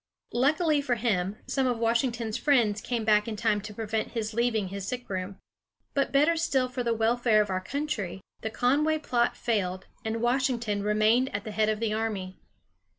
Luckily for him, some of Washington's friends came back in time to prevent his leaving his sick room. But better still for the welfare of our country, the Conway plot failed, and Washington remained at the head of the army.